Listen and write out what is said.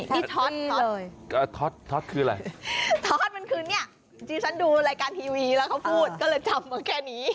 นี่ท็อตท็อตท็อตท็อตคืออะไรท็อตมันคือเนี่ยจริงฉันดูรายการทีวีแล้วเขาพูดก็เลยจำมาแค่นี้